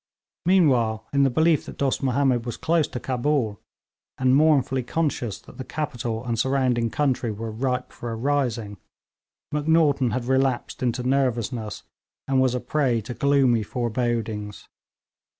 Meanwhile, in the belief that Dost Mahomed was close to Cabul, and mournfully conscious that the capital and surrounding country were ripe for a rising, Macnaghten had relapsed into nervousness, and was a prey to gloomy forebodings.